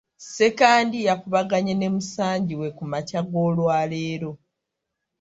Ssekandi yakubaganye ne musangi we ku makya g’olwaleero.